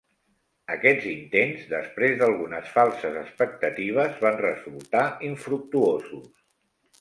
Aquests intents, després d'algunes falses expectatives, van resultar infructuosos.